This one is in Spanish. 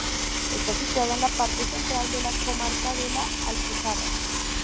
Está situada en la parte central de la comarca de La Alpujarra.